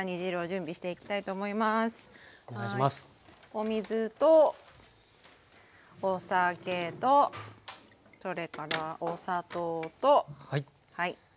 お水とお酒とそれからお砂糖と。